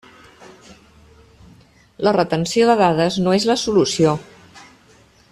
La retenció de dades no és la solució!